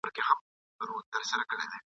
دا پوښتنه له طبیب څخه کومه !.